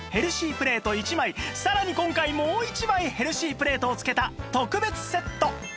プレート１枚さらに今回もう１枚ヘルシープレートを付けた特別セット